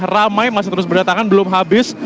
ramai masih terus berdatangan belum habis